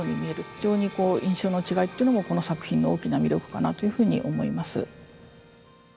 非常にこう印象の違いっていうのもこの作品の大きな魅力かなというふうに思います。